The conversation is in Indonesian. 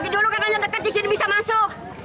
dulu katanya dekat disini bisa masuk